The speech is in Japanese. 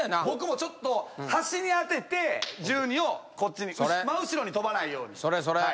僕もちょっと端に当てて１２をこっちに真後ろに飛ばないように。